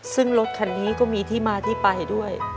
ซึ่งรถคันนี้ก็มีที่มาที่ไปด้วย